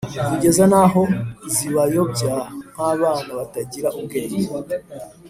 kugeza n’aho zibayobya nk’abana batagira ubwenge.